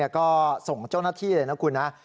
ก็ส่งเจ้าหน้าที่เลยนะคุณนะ